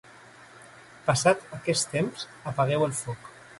passat aquest temps, apagueu el foc